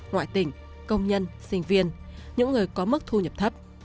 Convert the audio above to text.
ngoại tỉnh công nhân sinh viên những người có mức thu nhập thấp